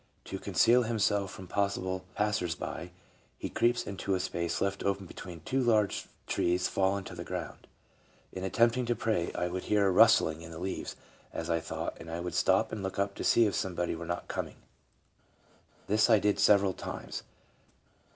To conceal himself from possible passers by he creeps into a space left open between two large trees fallen to the ground. " In attempting to pray I would hear a rustling in the leaves, as I thought, and would stop and look up to see if somebody were not coming. This I did several times.